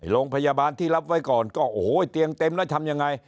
โรงพยาบาลที่รับไว้ก่อนก็โอ้โหเตียงเต็มแล้วทำยังไง